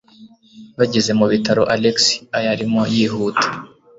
Bageze mu bitaro, Alex yarimo yihuta.